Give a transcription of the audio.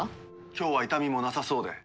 今日は痛みもなさそうで。